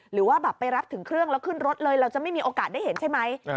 หรือว่าแบบไปรับถึงเครื่องแล้วขึ้นรถเลยเราจะไม่มีโอกาสได้เห็นใช่ไหม